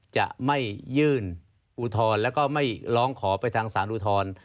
จะไม่ยื่นอุทธรณ์แล้วก็ไม่ร้องขอไปทางสารอุทธรณ์